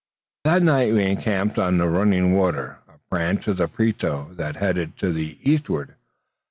That night we encamped on a running water, a branch of the Prieto that headed to the eastward.